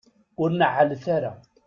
Ur neɛɛlet ara.